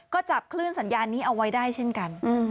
ก็จับคลื่นสัญญาณนี้เอาไว้ได้เช่นกัน